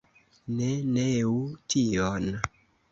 Ne neu tion.